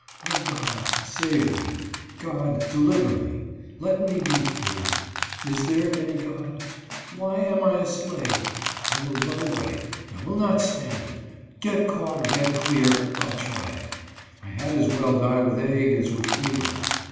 0, God, save me ! God, deliver me ! Let me be free !— Is there any God ? Why am I a slave ? I will run away. I will not stand it. Get caught or get clear, I'll try it. I had as well die with ague as with fever.